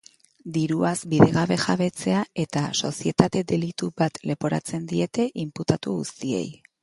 Diruaz bidegabe jabetzea eta sozietate delitu bat leporatzen diete inputatu guztiei.